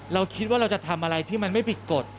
เราคิดว่าเราจะทำอะไรที่มันไม่ผิดกฎ